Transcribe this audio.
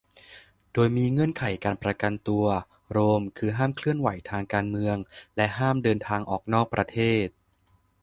โดยมีเงื่อนไขการประกันตัว โรม คือห้ามเคลื่อนไหวทางการเมืองและห้ามเดินทางออกนอกประเทศ